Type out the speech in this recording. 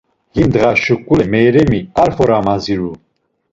Him ndğa şuǩule Meryemi ar fora maziru.